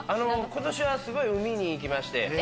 今年はすごい海に行きまして。